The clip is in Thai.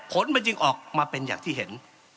ผลมันจึงออกมาเป็นอย่างที่เห็น